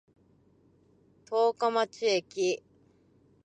十日町駅